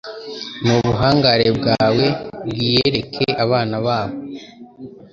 n’ubuhangare bwawe bwiyereke abana babo